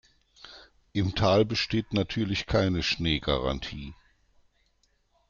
Im Tal besteht natürlich keine Schneegarantie.